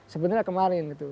sebenarnya kemarin gitu